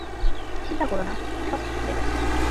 চিন্তা করো না সব ঠিক হয়ে গেছে।